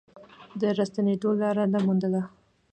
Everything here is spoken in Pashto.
د راستنېدو لاره نه موندله.